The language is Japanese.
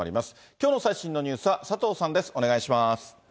きょうの最新のニュースは佐藤さんです。